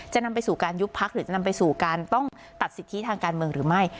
นำไปสู่การยุบพักหรือจะนำไปสู่การต้องตัดสิทธิทางการเมืองหรือไม่